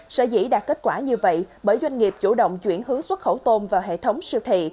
sở dĩ đạt kết quả như vậy bởi doanh nghiệp chủ động chuyển hướng xuất khẩu tôm vào hệ thống siêu thị